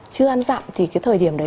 chưa ăn dặm thì cái thời điểm đấy